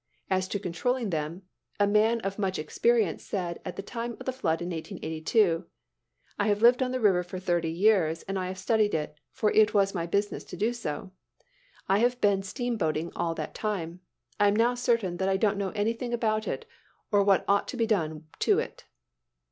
As to controlling them, a man of much experience said at the time of the flood in 1882, "I have lived on the river for thirty years, and I have studied it, for it was my business to do so. I have been steam boating all that time. I am now certain that I don't know anything about it, or about what ought to be done to it."